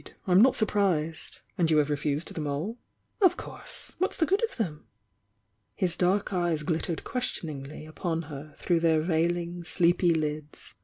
I'm not surprised! And you have refused them aU?" ' "Of course! What's the good of them?" His dark eyes glittered questioningly upon her through their veiling, sleepy lids.